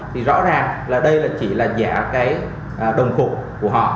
thì rõ ràng là đây là chỉ là giả cái đồng phục của họ